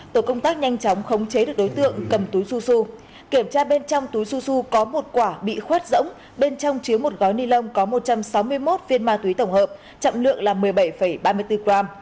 tổ công tác nhanh chóng khống chế được đối tượng cầm túi su su kiểm tra bên trong túi su su có một quả bị khuét rỗng bên trong chứa một gói ni lông có một trăm sáu mươi một viên ma túy tổng hợp trọng lượng là một mươi bảy ba mươi bốn gram